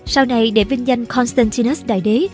sau này để vinh danh constantinus đại đế